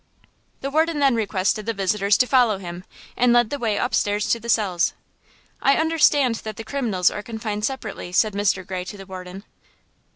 The warden then requested the visitors to follow him and led the way up stairs to the cells. "I understand that the criminals are confined separately?" said Mr. Gray to the warden.